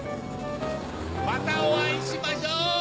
またおあいしましょう！